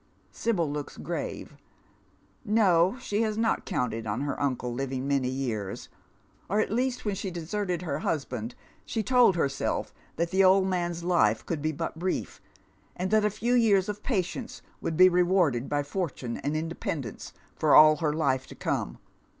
Sibyl looks grave. No, she has not counted on her uncle living many years, or at leaat when she deociUid her husbaud si»o 100 Dead Men's Shoes, told herself that the old man's life could be but brief, and that a few years of patience would be rewarded by fortune and inde pendence for all her life to come.